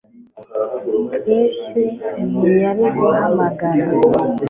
Chris ntiyari guhamagara